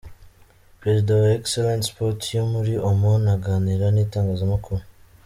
Prezida wa Excellent Sport yo muri Oman aganira n'itangazamakuru.